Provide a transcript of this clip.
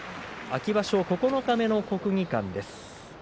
秋場所九日目の国技館です。